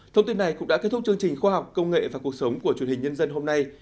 thông tin này cũng đã kết thúc chương trình khoa học công nghệ và cuộc sống của truyền hình nhân dân hôm nay